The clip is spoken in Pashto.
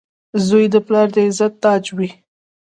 • زوی د پلار د عزت تاج وي.